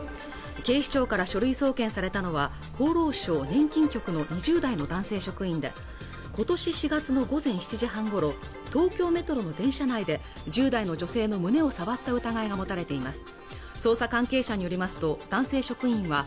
警視庁から書類送検されたのは厚労省年金局の２０代の男性職員で今年４月の午前７時半ごろ東京メトロの電車内で１０代の女性の胸を触った疑いが持たれています